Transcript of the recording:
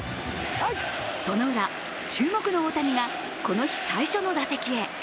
そのウラ、注目の大谷がこの日最初の打席へ。